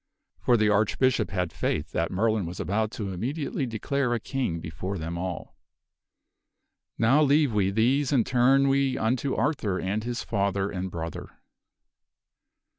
For the Archbishop had faith that Merlin was about to immediately declare a king before them all. Now leave we these and turn we unto Arthur and his father and brother.